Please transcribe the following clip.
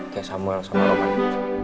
kayak samuel sama roman